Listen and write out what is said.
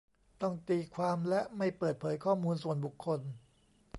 ต้องตีความ และ ไม่เปิดเผยข้อมูลส่วนบุคคล